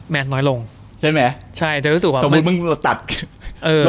น้อยลงใช่ไหมใช่จะรู้สึกว่าสมมุติมึงโดนตัดเออ